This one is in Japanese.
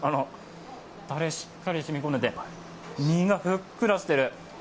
タレしっかりしみ込んでいて身がふっくらしている。